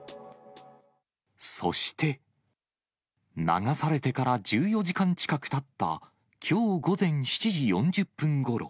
そして、流されてから１４時間近くたったきょう午前７時４０分ごろ。